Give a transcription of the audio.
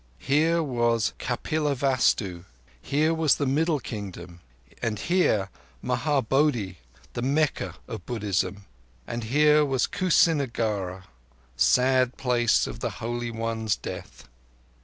Here was Kapilavastu, here the Middle Kingdom, and here Mahabodhi, the Mecca of Buddhism; and here was Kusinagara, sad place of the Holy One's death.